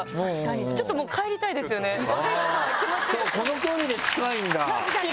今日この距離で近いんだ。